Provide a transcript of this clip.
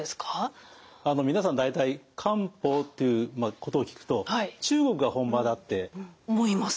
皆さん大体漢方ということを聞くと中国が本場だって。思います。